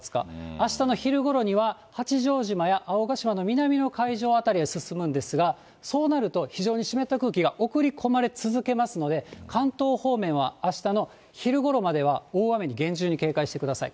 あしたの昼ごろには、八丈島や青ヶ島の南の海上辺りへ進むんですが、そうなると、非常に湿った空気が送り込まれ続けますので、関東方面はあしたの昼ごろまでは、大雨に厳重に警戒してください。